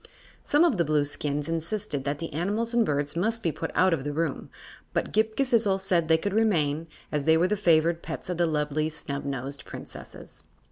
Some of the Blueskins insisted that the animals and birds must be put out of the room, but Ghip Ghisizzle said they could remain, as they were the favored pets of the lovely Snubnosed Princesses.